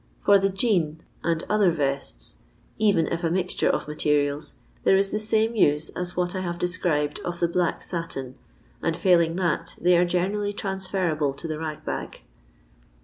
For the jean and other vests — even if a mixture of materials — there is the same use as what I have described of the black satin, and failing that, they are gene rally transferable to the rag bag.